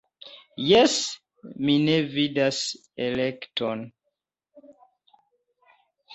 Jes, mi ne vidas elekton.